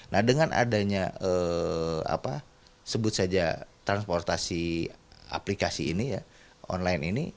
nah dengan adanya apa sebut saja transportasi aplikasi ini ya online ini